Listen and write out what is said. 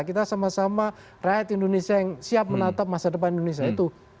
kita sama sama rakyat indonesia yang siap menatap masa depan indonesia itu